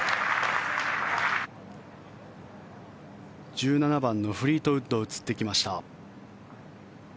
１７番のフリートウッド映ってきました。